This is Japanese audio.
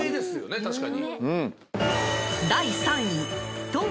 確かに。